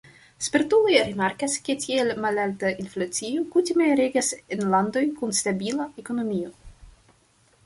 Spertuloj rimarkas, ke tiel malalta inflacio kutime regas en landoj kun stabila ekonomio.